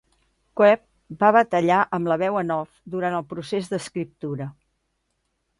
Koeep va batallar amb la veu en off durant el procés d'escriptura.